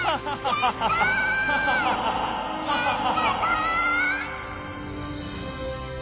やったぞ！